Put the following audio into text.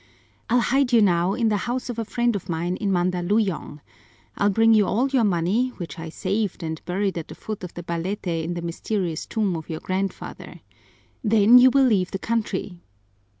"I'll hide you now in the house of a friend of mine in Mandaluyong. I'll bring you all your money, which I saved and buried at the foot of the balete in the mysterious tomb of your grandfather. Then you will leave the country."